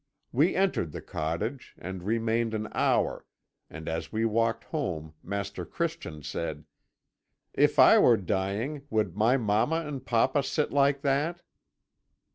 We entered the cottage, and remained an hour, and as we walked home Master Christian said: "'If I were dying, would my mamma and papa sit like that?'